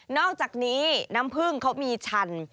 อกจากนี้น้ำผึ้งเขามีชัน